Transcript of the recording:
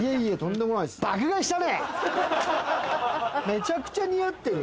めちゃくちゃ似合ってる。